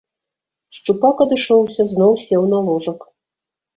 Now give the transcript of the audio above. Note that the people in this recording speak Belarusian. Шчупак адышоўся, зноў сеў на ложак.